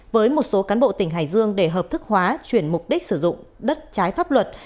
với một số cán bộ tỉnh hải dương để hợp thức hóa chuyển mục đích sử dụng đất trái pháp luật